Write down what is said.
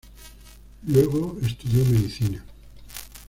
Luego estudió medicina.